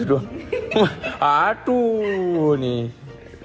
udah gitu doang